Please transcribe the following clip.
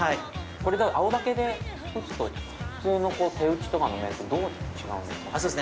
これ、青竹で打つと、普通の手打ちとかの麺とどう違うんですか。